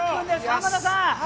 濱田さん！